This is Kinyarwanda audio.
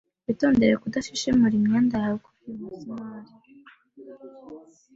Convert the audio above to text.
Witondere kudashishimura imyenda yawe kuri uriya musumari.